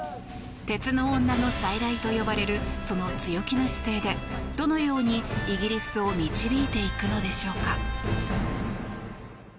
鉄の女の再来と呼ばれるその強気な姿勢でどのように、イギリスを導いていくのでしょうか。